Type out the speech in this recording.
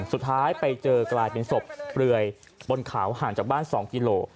สุดท้ายไปเจอกลายเป็นศพเปลือยบนเขาห่างจากบ้าน๒กิโล